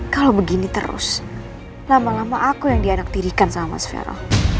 kalau begini terus lama lama aku yang dianaktirikan sama mas vero